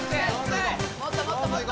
もっともっともっと！